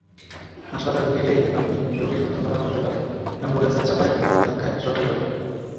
হাসপাতালের গেটেই আপনি রোগীসুদ্ধ মারা পড়তে পারেন অ্যাম্বুলেন্সের চাপায় কিংবা ধাক্কায়, সপরিবারে।